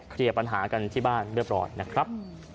เคลียร์ปัญหากันที่บ้านเรียบร้อยนะครับ